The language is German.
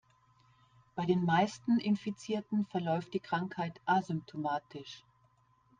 Bei den meisten Infizierten verläuft die Krankheit asymptomatisch.